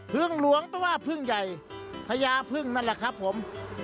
พึ่งหลวงเพราะว่าพึ่งใหญ่พญาพึ่งนั่นแหละครับผม